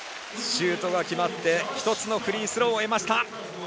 シュートが決まって１つのフリースローを得ました。